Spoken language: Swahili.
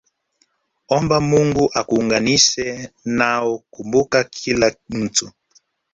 omba Mungu akuunganishe nao Kumbuka kila mtu